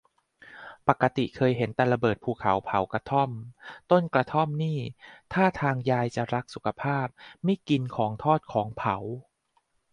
ปกติเคยเห็นแต่ระเบิดภูเขา เผากระท่อม ต้มกระท่อมนี่ ท่าทางยายจะรักสุขภาพ ไม่กินของทอดของเผา